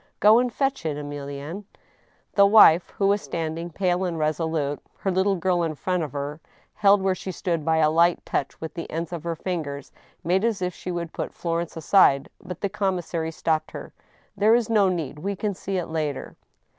— Go and fetch it, Emilienne." The wife, who was standing, pale and resolute, her little girl in front of her, held where she stood by a light touch with the ends of her fingers, made as if she would put Florence aside, but the com missary stopped her. " There is no need. We can see it later."